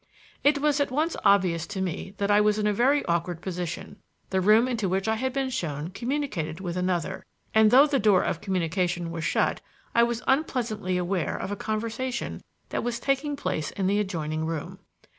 It was at once obvious to me that I was in a very awkward position. The room into which I had been shown communicated with another, and though the door of communication was shut, I was unpleasantly aware of a conversation that was taking place in the adjoining room.